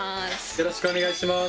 よろしくお願いします。